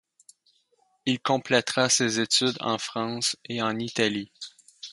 Il complétera ses études en France et en Italie.